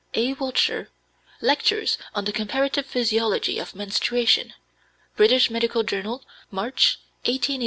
(A. Wiltshire, "Lectures on the Comparative Physiology of Menstruation," British Medical Journal, March, 1883, pp.